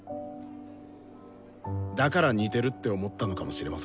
だから「似てる」って思ったのかもしれません。